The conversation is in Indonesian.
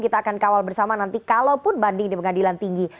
kita akan kawal bersama nanti kalaupun banding di pengadilan tinggi